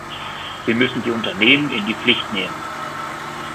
Wir müssen die Unternehmen in die Pflicht nehmen!